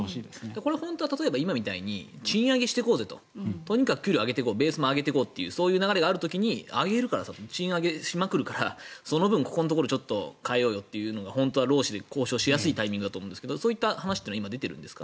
これは本当は今みたいに賃上げしていこうとにかく給料を上げていこうベースを上げていこうというそういう流れがある時に上げるから、賃上げしまくるからその分、ここのところを変えようよというのは労使で話し合えるタイミングだと思うんですがされているんですか？